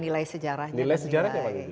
nilai sejarahnya paling tinggi